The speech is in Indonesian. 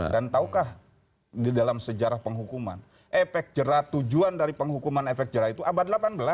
dan tahukah di dalam sejarah penghukuman efek jerah tujuan dari penghukuman efek jerah itu abad delapan belas